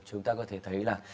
chúng ta có thể thấy là